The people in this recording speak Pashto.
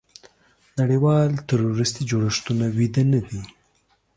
نړیوال تروریستي جوړښتونه ویده نه دي.